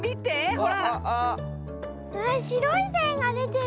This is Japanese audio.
わしろいせんがでてる！